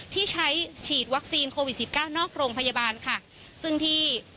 ที่ใช้ฉีดวัคซีนโควิดสิบเก้านอกโรงพยาบาลค่ะซึ่งที่